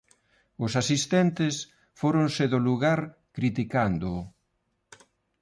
Os asistentes fóronse do lugar criticándoo.